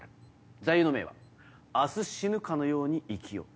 座右の銘は明日死ぬかのように生きよ。